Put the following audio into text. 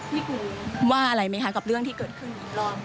พี่ครูว่าอะไรไหมคะกับเรื่องที่เกิดขึ้นอีกรอบ